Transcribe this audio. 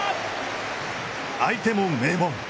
相手も名門。